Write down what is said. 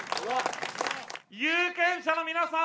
有権者の皆さん